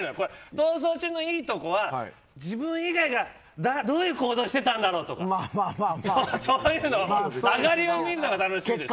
「逃走中」のいいところは自分以外がどういう行動してたんだろうとかあがりを見るのが楽しいのよ。